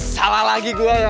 salah lagi gue